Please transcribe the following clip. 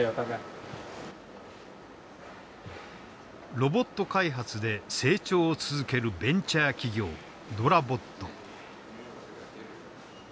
ロボット開発で成長を続けるベンチャー企業ｄｏｒａｂｏｔ。